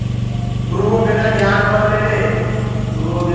گُرو بنآ گيِان ڪونآ مِلي۔